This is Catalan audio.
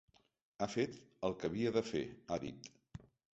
Ha fet el que havia de fer, ha dit.